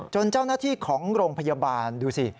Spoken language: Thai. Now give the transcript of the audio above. เจ้าหน้าที่ของโรงพยาบาลดูสิ